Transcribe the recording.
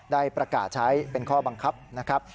ได้ประกาศใช้เป็นข้อบังคับนะครับ